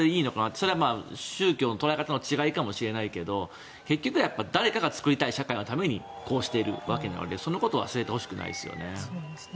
それは宗教の捉え方の違いかもしれないけど結局誰かが作りたい社会のためにこうしているわけなのでそのことを忘れてほしくないですよね。